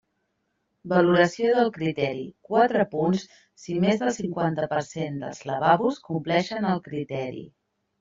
Valoració del criteri: quatre punts si més del cinquanta per cent dels lavabos compleixen el criteri.